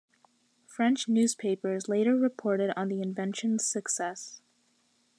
French newspapers later reported on the invention's success.